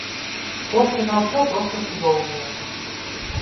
Кошты на ўсё проста цудоўныя.